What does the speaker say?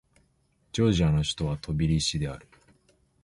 ジョージアの首都はトビリシである